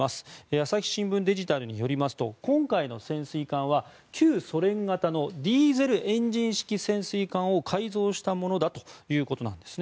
朝日新聞デジタルによりますと今回の潜水艦は旧ソ連型のディーゼルエンジン式潜水艦を改造したものだということなんです。